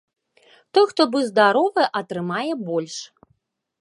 Той, хто быў здаровы, атрымае больш.